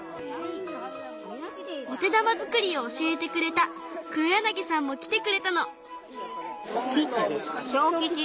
お手玉作りを教えてくれた畔柳さんも来てくれたの。